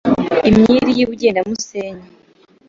Imyiri y’i Bugendamusenyi